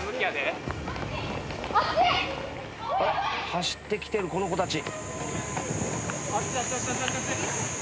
走ってきてるこの子たち。